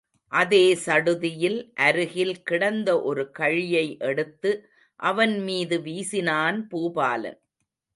அதே சடுதியில், அருகில் கிடந்த ஒரு கழியை எடுத்து அவன் மீது வீசினான் பூபாலன்.